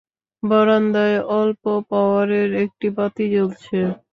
বারান্দায় অল্প পাওয়ারের একটি বাতি জ্বলছে।